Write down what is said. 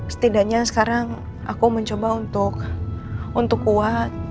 setidaknya sekarang aku mau coba untuk untuk kuat